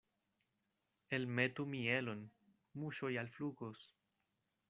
Elmetu mielon, muŝoj alflugos.